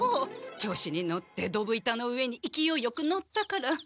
調子に乗って溝板の上にいきおいよく乗ったから。